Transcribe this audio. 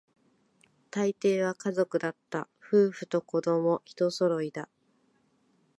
大抵は家族だった、夫婦と子供、一揃いだ